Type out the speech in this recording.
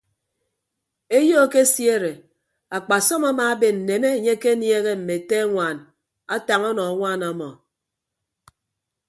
Eyo ekesiere akpasọm amaaben nneme enye ekeniehe mme ete añwaan atañ ọnọ añwaan ọmọ.